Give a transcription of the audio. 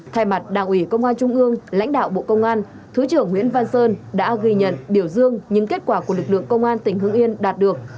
thay mặt đảng ủy công an trung ương lãnh đạo bộ công an thứ trưởng nguyễn văn sơn đã ghi nhận biểu dương những kết quả của lực lượng công an tỉnh hưng yên đạt được